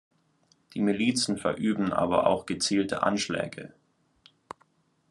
Die Milizen verüben aber auch gezielte Anschläge.